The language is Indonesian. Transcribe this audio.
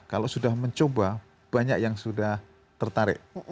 kalau sudah mencoba banyak yang sudah tertarik